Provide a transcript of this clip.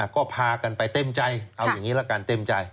ก็พากันไปเต็มใจเอาอย่างนี้ละกันเต็มใจ